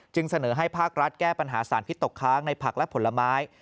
เสนอให้ภาครัฐแก้ปัญหาสารพิษตกค้างในผักและผลไม้